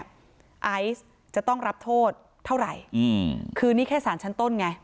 ไอซ์จะต้องรับโทษเท่าไหร่อืมคือนี่แค่สารชั้นต้นไง